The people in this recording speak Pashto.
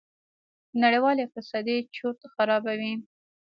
په نړېوال اقتصاد چورت خرابوي.